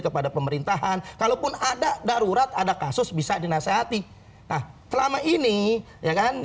kepada pemerintahan kalaupun ada darurat ada kasus bisa dinasehati nah selama ini ya kan